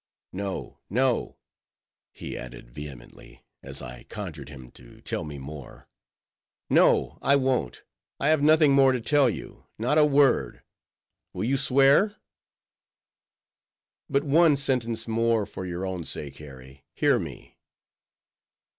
—no, no," he added, vehemently, as I conjured him to tell me more—"no, I won't: I have nothing more to tell you—not a word. Will you swear?" "But one sentence more for your own sake, Harry: hear me!"